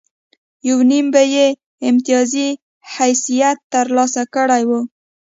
یو نیم به یې امتیازي حیثیت ترلاسه کړی و.